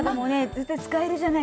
絶対使えるじゃない。